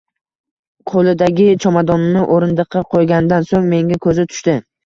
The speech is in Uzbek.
Qoʻlidagi chamadonini oʻrindiqqa qoʻyganidan soʻng menga koʻzi tushdi.